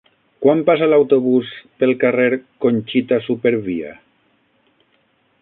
Quan passa l'autobús pel carrer Conxita Supervia?